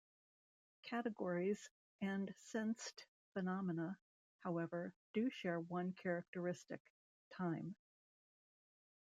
Categories and sensed phenomena, however, do share one characteristic: time.